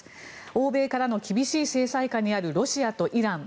欧米からの厳しい制裁下にあるロシアとイラン。